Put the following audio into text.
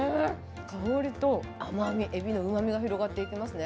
香りと甘み、えびのうまみが広がっていきますね。